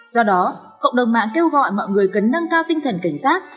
do đó cộng đồng mạng kêu gọi mọi người cần nâng cao tinh thần cảnh giác